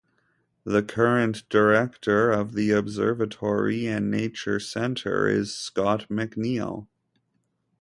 The current Director of the observatory and nature center is Scott MacNeill.